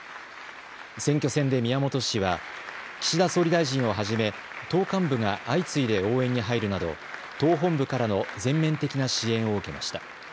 選挙戦で宮本氏は岸田総理大臣をはじめ党幹部が相次いで応援に入るなど党本部からの全面的な支援を受けました。